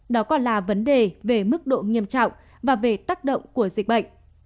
đó còn là vấn đề về mức độ nghiêm trọng và về tác động của dịch bệnh